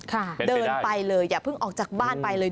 เดินไปเลยอย่าเพิ่งออกจากบ้านไปเลย